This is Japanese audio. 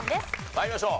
参りましょう。